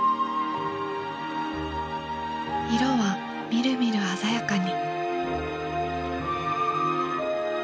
色はみるみる鮮やかに。